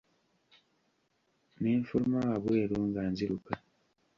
Ne nfuluma wabweru nga nziruka.